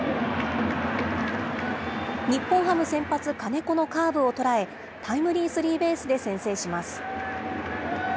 日本ハム先発、金子のカーブを捉え、タイムリースリーベースで先制します。